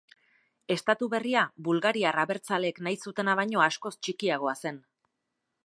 Estatu berria bulgariar abertzaleek nahi zutena baino askoz txikiagoa zen.